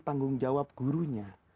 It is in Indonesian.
tanggung jawab gurunya